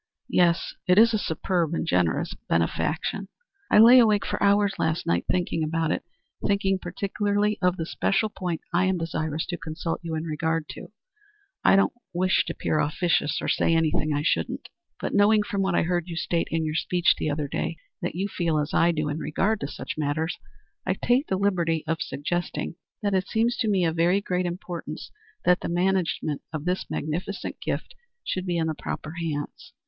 "Yes. It is a superb and generous benefaction." "I lay awake for hours last night thinking about it; thinking particularly of the special point I am desirous to consult you in regard to. I don't wish to appear officious, or to say anything I shouldn't, but knowing from what I heard you state in your speech the other day that you feel as I do in regard to such matters, I take the liberty of suggesting that it seems to me of very great importance that the management of this magnificent gift should be in proper hands.